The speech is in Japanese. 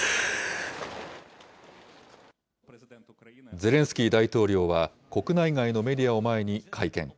ゼレンスキー大統領は国内外のメディアを前に会見。